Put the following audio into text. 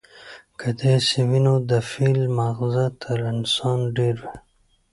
که داسې وي، نو د فيل ماغزه تر انسانه ډېر وي،